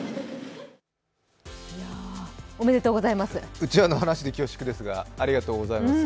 内輪の話で恐縮ですがありがとうございます。